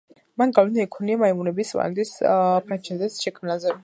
მან გავლენა იქონია მაიმუნების პლანეტის ფრენჩაიზის შექმნაზე.